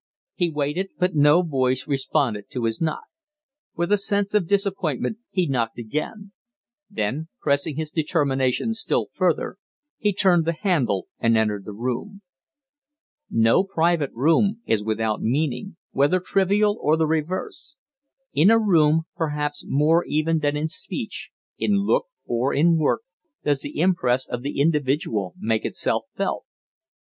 He waited, but no voice responded to his knock. With a sense of disappointment he knocked again; then, pressing his determination still further, he turned the handle and entered the room. No private room is without meaning whether trivial or the reverse. In a room, perhaps more even than in speech, in look, or in work, does the impress of the individual make itself felt.